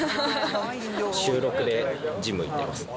週６でジム行ってます。